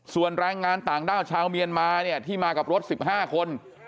ส่วนแรงงานต่างด้าวชาวเมียนมาเนี่ยที่มากับรถ๑๕คน